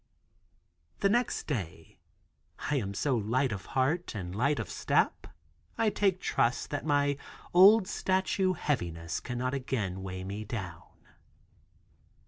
The next day I am so light of heart and light of step, I take trust that my old statue heaviness cannot again weigh me down.